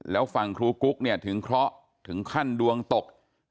แล้วฝั่งครูกุ๊กเนี่ยถึงเคราะห์ถึงขั้นดวงตก